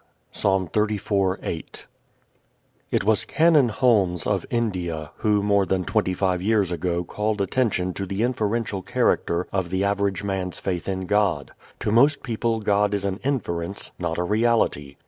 Psa. 34:8 It was Canon Holmes, of India, who more than twenty five years ago called attention to the inferential character of the average man's faith in God. To most people God is an inference, not a reality.